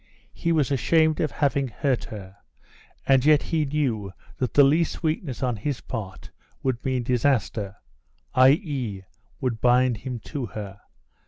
He was ashamed of having hurt her, and yet he knew that the least weakness on his part would mean disaster, i.e., would bind him to her.